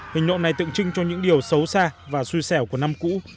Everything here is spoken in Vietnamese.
hình nộm này tự trưng cho những điều xấu xa và xui xẻo của năm cũ